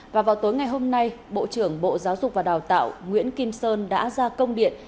và vào tối ngày hôm nay bộ trưởng bộ giáo dục và đào tạo nguyễn kim sơn đã ra công điện